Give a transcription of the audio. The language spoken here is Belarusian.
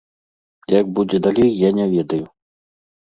Як будзе далей, я не ведаю.